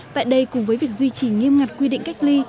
tại đây cùng với việc duy trì nghiêm ngặt quy định cách ly